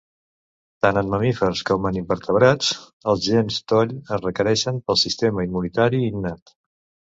Tant en mamífers com en invertebrats els gens toll es requereixen pel sistema immunitari innat.